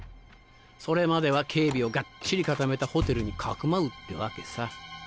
それまでは警備をガッチリ固めたホテルにかくまうってわけさ。